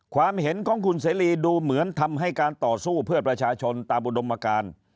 ความเห็นของคุณเสรีดูเหมือนทำให้การต่อสู้เพื่อประชาชนตามอุดมการ